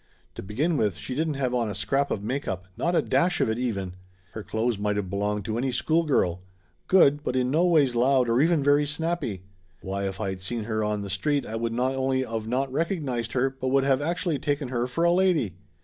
To begin with she didn't have on a scrap of make up not a dash of it, even ! Her clothes might of belonged to any school girl; good, but in no ways loud or even very snappy. Why, if I had seen her on the street I would not only of not recognized her but would have actually taken her for a lady!